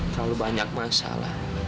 kalau banyak masalah